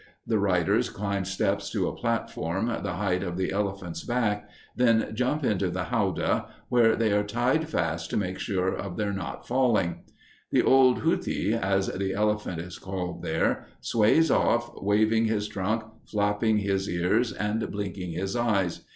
The riders climb steps to a platform the height of the elephant's back, then jump into the howdah, where they are tied fast to make sure of their not falling. The old huthi, as the elephant is called there, sways off, waving his trunk, flopping his ears, and blinking his eyes.